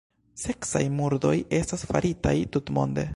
Seksaj murdoj estas faritaj tutmonde.